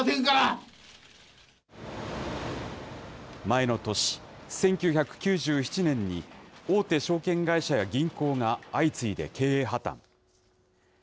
前の年、１９９７年に大手証券会社や銀行が相次いで経営破綻。